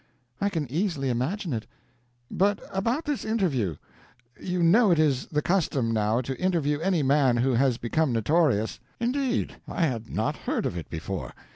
"I can easily imagine it. But about this interview. You know it is the custom, now, to interview any man who has become notorious." "Indeed, I had not heard of it before.